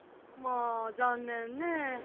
まあ残念ねえ。